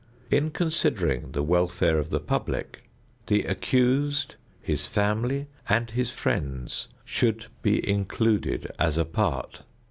In considering the welfare of the public: the accused, his family and his friends should be included as a part.